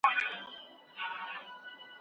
تاسو په هلمند کي کومه سیمه ډېره خوښوئ؟